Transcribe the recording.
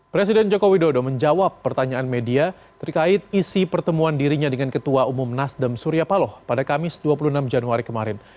presiden jokowi dodo menjawab pertanyaan media terkait isi pertemuan dirinya dengan ketua umum nasdem surya paloh pada kamis dua puluh enam januari kemarin